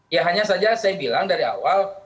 ya hanya saja saya bilang dari awal